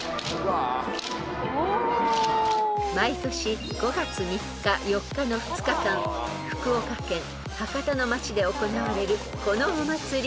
［毎年５月３日・４日の２日間福岡県博多の街で行われるこのお祭り］